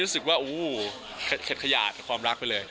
รู้สึกว่าเข็ดขยาดกับความรักไปเลย